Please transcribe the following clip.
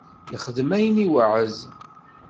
Yexdem ayen i iweεεed.